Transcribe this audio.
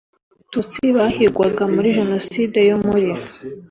abatutsi bahigwaga muri jenoside yo muri